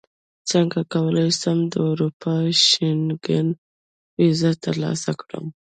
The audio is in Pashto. څنګه کولی شم د اروپا شینګن ویزه ترلاسه کړم